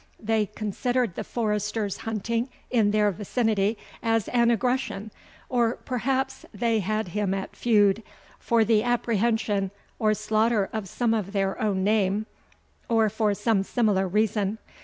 They considered the forester's hunting in their vicinity as an aggression, or perhaps they had him at feud, for the apprehension or slaughter of some of their own name, or for some similar reason.